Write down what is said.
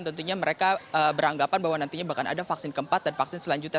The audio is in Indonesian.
tentunya mereka beranggapan bahwa nantinya bakal ada vaksin keempat dan vaksin selanjutnya